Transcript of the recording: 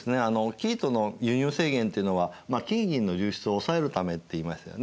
生糸の輸入制限っていうのは金・銀の流出をおさえるためって言いましたよね。